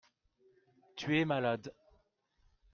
Tu es malade.